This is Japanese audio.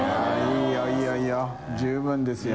いいいいよ十分ですよ。